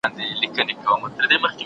یو ښه او نیک برخلیک.